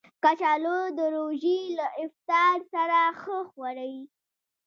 کچالو د روژې له افطار سره ښه خوري